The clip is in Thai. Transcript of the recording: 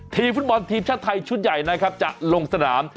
ฟุตบอลทีมชาติไทยชุดใหญ่นะครับจะลงสนาม